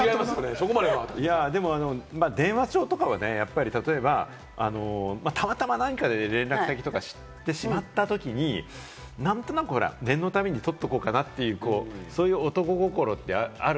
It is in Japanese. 電話帳とかは例えば、たまたま何かで連絡先とか知ってしまったときに、何となく念のためにとっとこうかなという、そういう男心ってある。